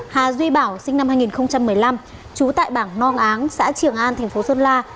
hà duy bảo sinh năm hai nghìn một mươi năm chú tại bảng non áng xã trường an tp sơn la